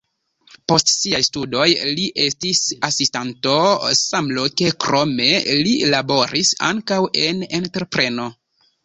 Post siaj studoj li estis asistanto samloke, krome li laboris ankaŭ en entrepreno.